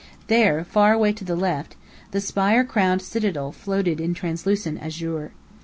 There, far away to the left, the spire crowned Citadel floated in translucent azure.